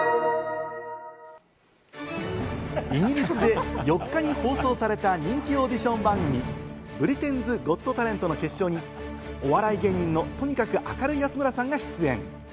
イギリスで４日に放送された人気オーディション番組『ブリテンズ・ゴット・タレント』の決勝にお笑い芸人のとにかく明るい安村さんが出演。